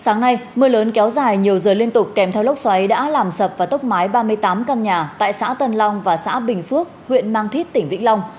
sáng nay mưa lớn kéo dài nhiều giờ liên tục kèm theo lốc xoáy đã làm sập và tốc mái ba mươi tám căn nhà tại xã tân long và xã bình phước huyện mang thít tỉnh vĩnh long